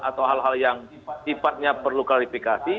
atau hal hal yang sifatnya perlu klarifikasi